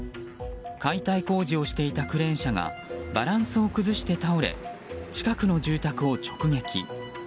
解体工事をしていたクレーン車がバランスを崩して倒れ近くの住宅を直撃。